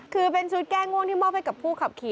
คือเป็นชุดแก้ง่วงที่มอบให้กับผู้ขับขี่